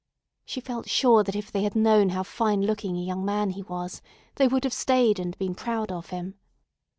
She felt sure that if they had known how fine looking a young man he was, they would have stayed and been proud of him.